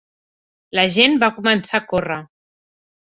La gent va començar a córrer